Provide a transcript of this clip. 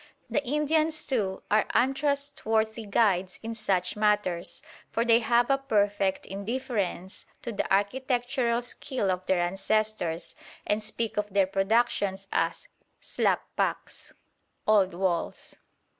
The Indians, too, are untrustworthy guides in such matters, for they have a perfect indifference to the architectural skill of their ancestors, and speak of their productions as "xlap pak" (old walls).